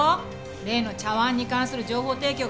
例の茶碗に関する情報提供があったよ。